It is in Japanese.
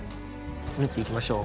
縫っていきましょう。